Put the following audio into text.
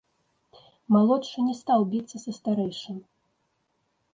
Малодшы не стаў біцца са старэйшым.